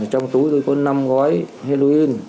trong túi tôi có năm gói heroin